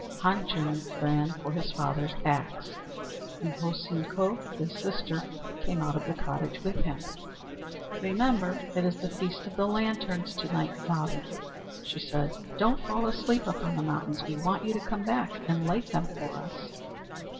Han Chung ran for his father's axe, and Ho Seen Ko, his little sister, came out of the cottage with him. "Remember it is the Feast of Lanterns to night, father," she said. "Don't fall asleep up on the mountain; we want you to come back and light them for us."